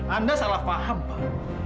anda salah paham pak